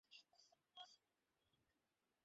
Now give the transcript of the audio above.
মহালক্ষী, চোখ খুলো।